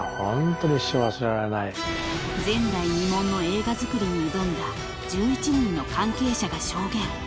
［前代未聞の映画作りに挑んだ１１人の関係者が証言］